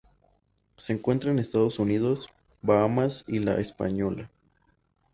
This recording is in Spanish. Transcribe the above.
Se encuentra en Estados Unidos, Bahamas y La Española.